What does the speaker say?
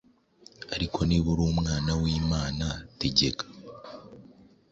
Ariko niba uri Umwana wImana, tegeka